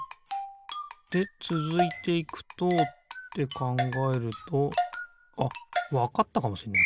でつづいていくとってかんがえるとあっわかったかもしんない